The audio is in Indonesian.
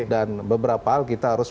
dan beberapa hal kita harus